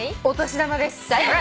「お年玉」です。